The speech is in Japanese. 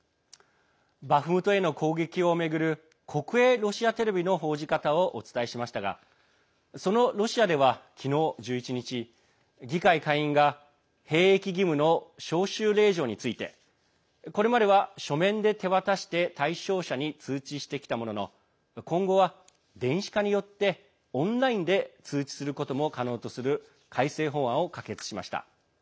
バフムトへの攻撃を巡る国営ロシアテレビの報じ方をお伝えしましたがそのロシアでは、昨日１１日議会下院が兵役義務の招集令状についてこれまでは書面で手渡して対象者に通知してきたものの今後は電子化によってオンラインで通知することも可能とする改正法案を可決しました。